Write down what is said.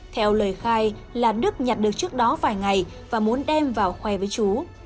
theo lời khai là đức nhặt được trước đó vài ngày và muốn đem vào khoe với chú